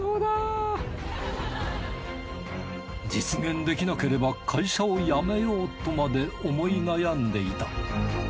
実現できなければ会社を辞めようとまで思い悩んでいた。